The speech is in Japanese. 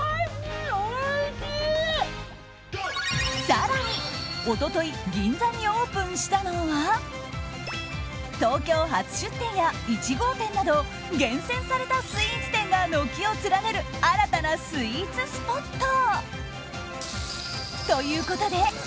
更に、一昨日銀座にオープンしたのは東京初出店や１号店など厳選されたスイーツ店が軒を連ねる新たなスイーツスポット。